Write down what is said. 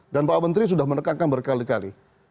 dan pak menteri sudah menekankan berkali kali